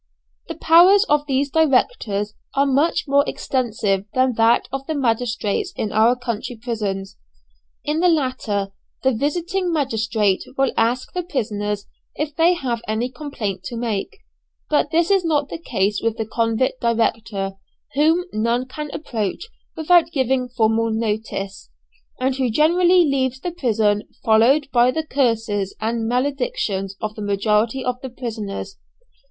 The powers of these directors are much more extensive than that of the magistrates in our county prisons. In the latter, the visiting magistrate will ask the prisoners if they have any complaint to make; but this is not the case with the convict director, whom none can approach without giving formal notice, and who generally leaves the prison followed by the curses and maledictions of the majority of the prisoners.